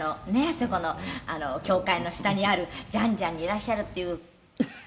そこの教会の下にあるジァン・ジァンにいらっしゃるっていう」